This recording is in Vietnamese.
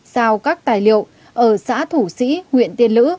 sau các tài liệu ở xã thủ sĩ nguyện tiên lữ và nhà của đối tượng